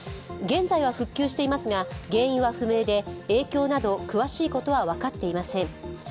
現在は復旧していますが、原因は不明で影響など詳しいことは分かっていません。